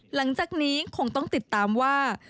หลังจากนี้คงต้องติดตามว่า